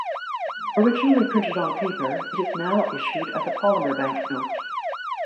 Originally printed on paper, it is now issued as a Polymer banknote.